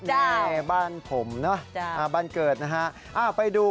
นี่บ้านผมเนอะบ้านเกิดนะฮะไปดู